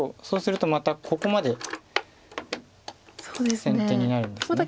そうするとまたここまで先手になるんです。